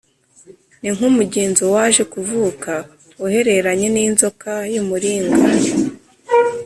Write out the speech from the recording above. ni nk umugenzo waje kuvuka uhereranye n inzoka y umuringa